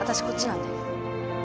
こっちなんで。